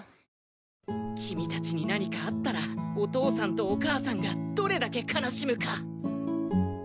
君たちに何かあったらお父さんとお母さんがどれだけ悲しむか。